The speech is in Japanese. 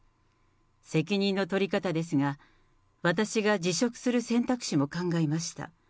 責任の取り方ですが、私が辞職する選択肢も考えました。